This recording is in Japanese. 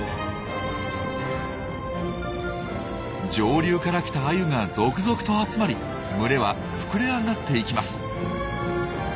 上流から来たアユが続々と集まり群れは膨れ上がっていきます。